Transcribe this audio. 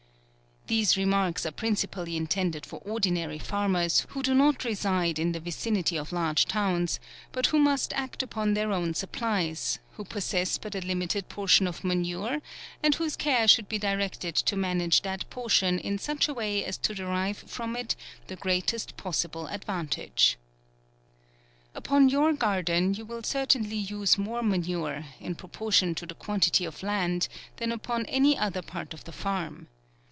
These remarks are principally intended for ordinary farmers, who do not reside in the vicinity of large towns, but who must act upon their own supplies, who possess but a limited portion of manure, and whose care should be directed to manage that portion in such a way as to derive from it the greatest possible advantage. Upon your garden you will certainly use more manure, in proportion to the quantity of land, than upon any other part of the farm.